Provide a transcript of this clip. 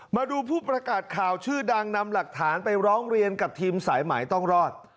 มาดูผู้ประกาศข่าวชื่อดังนำหลักฐานไปร้องเรียนกับทีมสายหมายต้องรอด